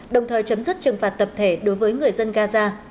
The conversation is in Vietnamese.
đồng thời chấm dứt trừng phạt tập thể đối với người dân gaza